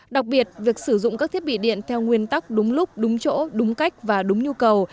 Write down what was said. đặc biệt việc sử dụng các thiết bị điện theo nguyên tắc đúng lúc đúng chỗ đúng cách và đúng nhu cầu